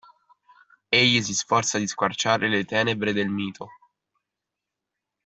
Egli si sforza di squarciare le tenebre del mito.